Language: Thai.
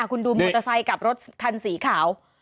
คุณดูมอเตอร์ไซค์กับรถคันสีขาว